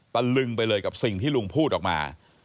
ตะลึงไปเลยกับสิ่งที่ลุงพูดออกมา